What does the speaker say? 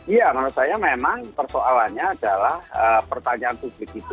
iya menurut saya memang persoalannya adalah pertanyaan publik itu